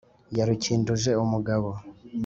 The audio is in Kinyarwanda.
yarukinduje umugabo